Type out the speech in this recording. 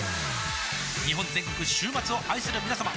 日本全国週末を愛するみなさま